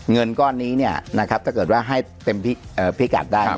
เงินก้อนนี้ถ้าเกิดว่าให้เต็มพิกัดได้